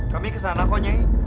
kami kesana kok nyai